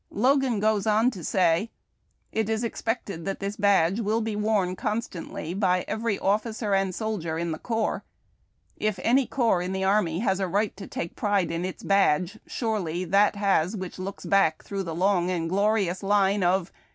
Logan goes on to say :—" It is expected that this badge will be worn constantly by every officer and soldier in the corps. If any corps in the army lias a right to take pride in its badge, surely that has which looks back tlirouo'h the lom^ and o lorious line of